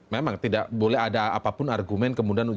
memang tidak boleh ada apapun argumen kemudian dijadikan alasan